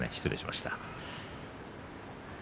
失礼しました。